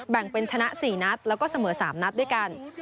แบ่งเป็นชนะ๔นัดแล้วก็เสมอ๓นัดด้วยกัน